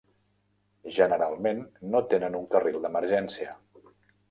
Generalment, no tenen un carril d'emergència.